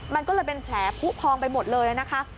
มันก็เลยเป็นแผลผู้พองไปหมดเลยนะคะ